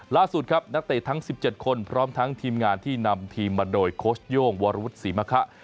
ล่าสุดครับนักเตะทั้ง๑๗คนพร้อมทั้งทีมงานที่นำทีมมาโดยโค้ชโย่งวรวุฒิศรีมะคะ